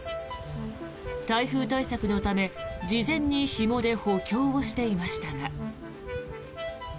台風対策のため、事前にひもで補強をしていましたが。